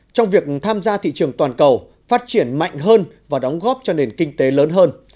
trong việc tham gia thị trường toàn cầu phát triển mạnh hơn và đóng góp cho nền kinh tế lớn hơn